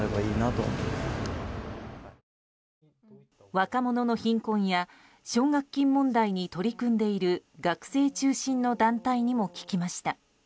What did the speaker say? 若者の貧困や奨学金問題に取り組んでいる学生中心の団体にも聞きました。